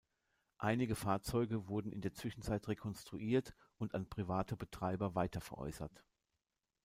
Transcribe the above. Einige Fahrzeuge wurden in der Zwischenzeit rekonstruiert und an private Betreiber weiterveräußert.